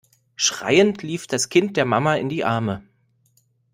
Schreiend lief das Kind der Mama in die Arme.